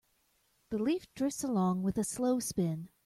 The leaf drifts along with a slow spin.